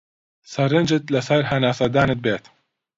سەرنجت لەسەر هەناسەدانت بێت.